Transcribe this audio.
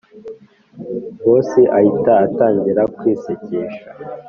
boss ahita atangira kwisekesha